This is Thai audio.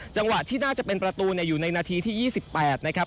จังหวะที่น่าจะเป็นประตูอยู่ในนาทีที่๒๘นะครับ